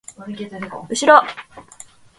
うしろ！